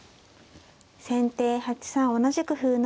先手８三同じく歩成。